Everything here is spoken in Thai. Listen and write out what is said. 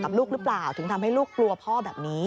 ลูกหรือเปล่าถึงทำให้ลูกกลัวพ่อแบบนี้